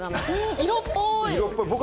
色っぽい！